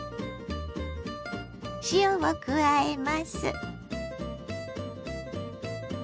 塩を加えます。